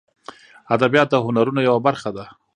ادبیات د هنرونو یوه برخه ده